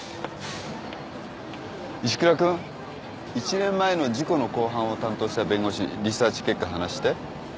石倉君１年前の事故の公判を担当した弁護士リサーチ結果話して。